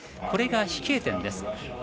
これが飛型点です。